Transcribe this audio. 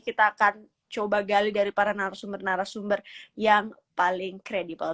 kita akan coba gali dari para narasumber narasumber yang paling kredibel